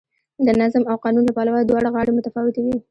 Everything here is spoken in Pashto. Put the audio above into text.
د نظم او قانون له پلوه دواړه غاړې متفاوتې وې.